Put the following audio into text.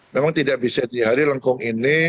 memang tidak bisa dihari lengkung ini